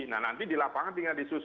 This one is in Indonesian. nah nanti di lapangan tinggal disusun